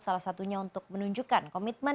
salah satunya untuk menunjukkan komitmen